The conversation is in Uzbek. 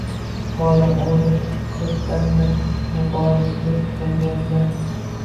Bu odam oʻgʻli koʻbdandir muborizdur tabiat-la